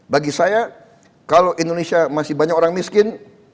bagi saya kalau indonesia masih banyak orang miskin